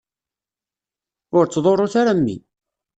Ur ttḍurrut ara mmi!